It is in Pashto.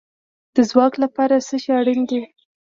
د ځواک لپاره څه شی اړین دی؟